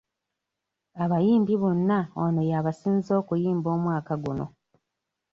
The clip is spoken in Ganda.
Abayimbi bonna ono ye yabasinze okuyimba omwaka guno.